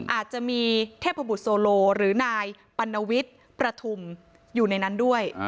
อาจจะมีเทพบุตรโซโลหรือนายปัณวิทย์ประทุมอยู่ในนั้นด้วย